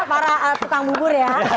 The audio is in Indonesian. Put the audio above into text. para petang bubur ya